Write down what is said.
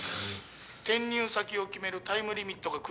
転入先を決めるタイムリミットが来るのでね